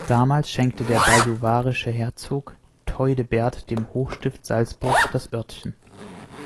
Damals schenkte der bajuwarische Herzog Theudebert dem Hochstift Salzburg das Örtchen.